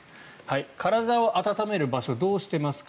体を温める場所どうしてますか。